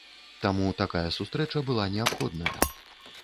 Таму такая сустрэча была неабходная.